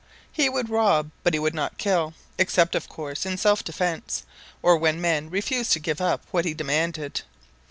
He would rob but he would not kill; except of course in self defence, or when men refused to give up what he demanded.